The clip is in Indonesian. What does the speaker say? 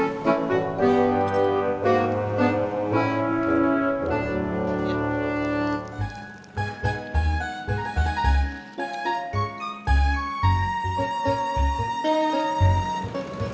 sip hehehe kuat lah